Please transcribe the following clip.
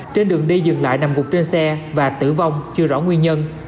trên đường đi dừng lại nằm gục trên xe và tử vong chưa rõ nguyên nhân